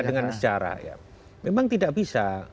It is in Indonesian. dan sejarah memang tidak bisa